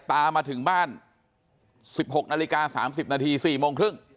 ตามมาถึงบ้าน๑๖นาฬิกา๓๐นาที๔โมงครึ่ง